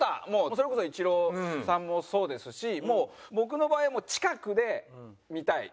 それこそイチローさんもそうですしもう僕の場合は近くで見たい。